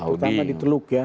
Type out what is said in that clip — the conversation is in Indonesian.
utama di teluk ya